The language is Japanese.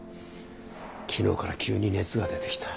昨日から急に熱が出てきた。